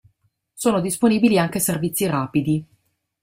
Sono disponibili anche servizi rapidi.